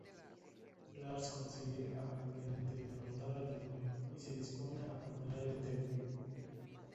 Lars consigue, aparentemente, derrotar al demonio, y se dispone a abandonar el templo.